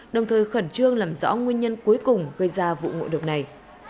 đồng thời khẩn trương làm rõ nguyên nhân cuối cùng gây ra vụ ngộ độc này